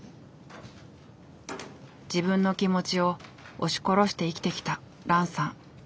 自分の気持ちを押し殺して生きてきたランさん。